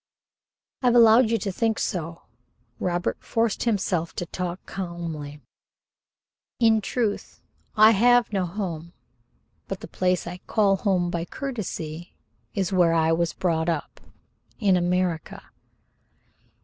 "I have allowed you to think so." Robert forced himself to talk calmly. "In truth, I have no home, but the place I call home by courtesy is where I was brought up in America."